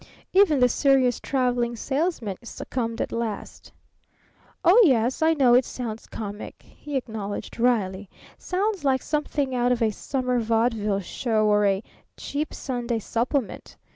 Even the serious Traveling Salesman succumbed at last. "Oh, yes, I know it sounds comic," he acknowledged wryly. "Sounds like something out of a summer vaudeville show or a cheap Sunday supplement.